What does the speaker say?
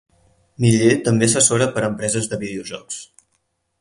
Miller també assessora per a empreses de videojocs.